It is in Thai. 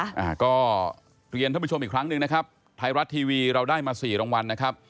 อ่าก็เรียนท่านผู้ชมอีกครั้งหนึ่งนะครับไทยรัฐทีวีเราได้มาสี่รางวัลนะครับ